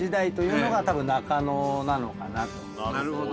なるほど。